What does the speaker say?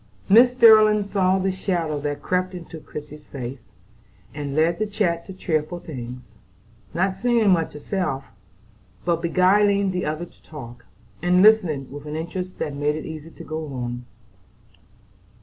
Mrs. Sterling saw the shadow that crept into Christie's face, and led the chat to cheerful things, not saying much herself, but beguiling the other to talk, and listening with an interest that made it easy to go on.